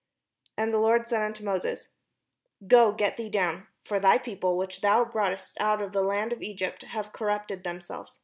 And the Lord said unto Moses: "Go, get thee down; for thy people, which thou broughtest out of the land of Egypt, have corrupted themselves.